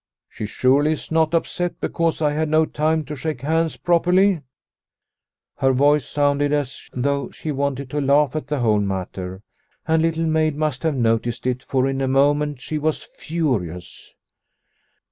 She surely is not upset because I had no time to shake hands properly ?' Her voice sounded as though she wanted to laugh at the whole matter, and Little Maid must have noticed it, for in a moment she was furious.